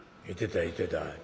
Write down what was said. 「いてたいてた」。